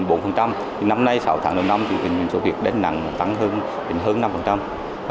nhưng năm nay sáu tháng đầu năm thì tình hình sốt huyết đáng nặng tăng hơn năm